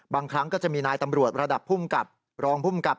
บางครั้งก็จะมีนายตำรวจระดับภูมิกับรองภูมิกับ